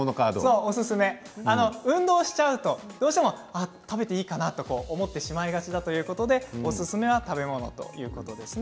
運動しちゃうと、どうしても食べていいのかなと思ってしまいがちだということでおすすめの食べ物だそうです。